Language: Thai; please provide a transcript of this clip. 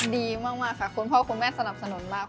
ดีมากค่ะคุณพ่อคุณแม่สนับสนุนมาก